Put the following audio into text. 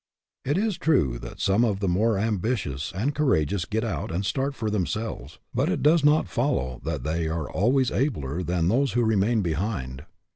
It is true that some of the more ambitious and coura geous get out and start for themselves, but it does not follow that they are always abler than those who remain behind.